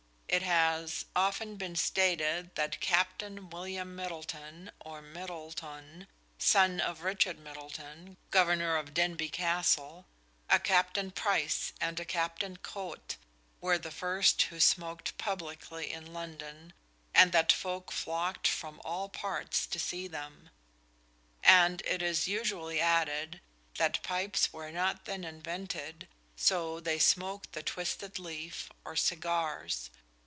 It has often been stated that Captain William Middleton or Myddelton (son of Richard Middleton, Governor of Denbigh Castle), a Captain Price and a Captain Koet were the first who smoked publicly in London, and that folk flocked from all parts to see them; and it is usually added that pipes were not then invented, so they smoked the twisted leaf, or cigars.